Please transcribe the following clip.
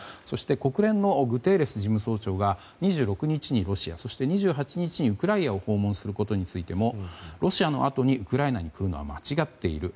国連のグテーレス事務総長が２６日にロシア２８日にウクライナを訪問することについてもロシアのあとにウクライナに来るのは間違っている。